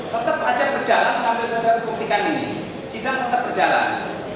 tetap saja berjalan sampai saudara buktikan ini sidang tetap berjalan